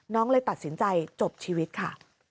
เลยตัดสินใจจบชีวิตค่ะ